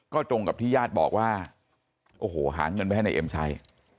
ก็ตรงกับที่ญาติบอกว่าหาเงินไปให้ในเอ็มชัย